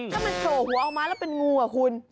ถ้ามันโผล่หัวออกมาแล้วเป็นงูอ่ะคุณ